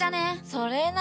それな。